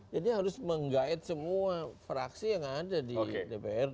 jadi harus menggait semua fraksi yang ada di dprd